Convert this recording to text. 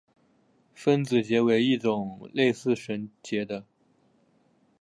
分子结为一种类似绳结的。